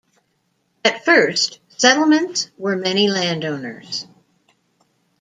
At first settlements were many landowners.